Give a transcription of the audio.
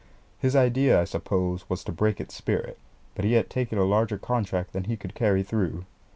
His idea, I suppose, was to break its spirit, but he had taken a larger contract than he could carry through.